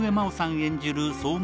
演じる相馬